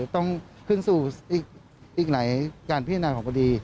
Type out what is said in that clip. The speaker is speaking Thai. ต้องขึ้นสู่อีกหลายการพิจารณาของคดี